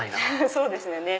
そうですよね。